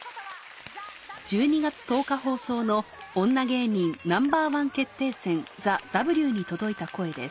１２月１０日放送の『女芸人Ｎｏ．１決定戦ＴＨＥＷ』に届いた声です